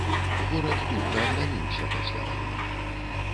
Горад хутка аднавіўся пасля вайны.